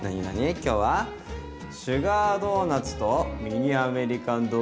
今日は「シュガードーナツとミニアメリカンドッグ！」